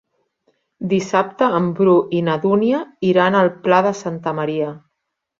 Dissabte en Bru i na Dúnia iran al Pla de Santa Maria.